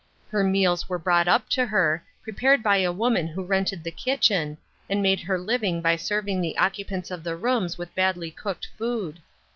Her meals were brought up to her, prepared by a woman who rented the kitchen, and made her living by serving the occupants of the rooms with badly cooked food.